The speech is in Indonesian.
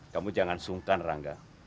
kamu jangan sungkan rangga